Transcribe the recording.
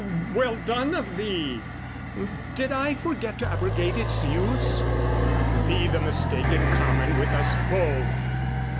Well done of thee! "Did I forget to abrogate its use? "Be the mistake in common with us both!